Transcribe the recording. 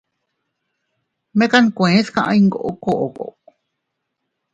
Mekan nkuees kaʼa iyngoo koʼko.